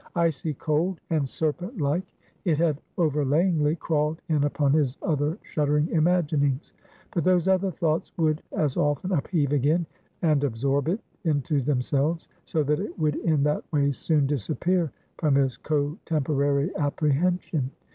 Icy cold, and serpent like, it had overlayingly crawled in upon his other shuddering imaginings; but those other thoughts would as often upheave again, and absorb it into themselves, so that it would in that way soon disappear from his cotemporary apprehension.